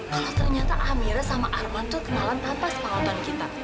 kalau ternyata amira sama arman itu kenalan tanpa sepangotan kita